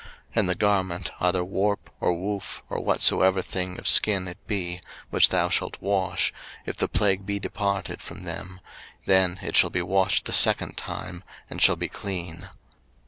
03:013:058 And the garment, either warp, or woof, or whatsoever thing of skin it be, which thou shalt wash, if the plague be departed from them, then it shall be washed the second time, and shall be clean.